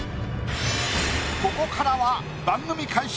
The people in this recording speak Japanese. ここからは番組開始